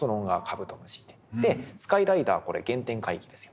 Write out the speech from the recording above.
でスカイライダーこれ原点回帰ですよ。